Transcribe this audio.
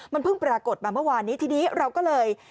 มันเพิ่งปรากฏมาเมื่อวานนี้ทีนี้เราก็เลย